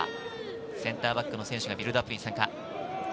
センターバックの選手がビルドアップに参加。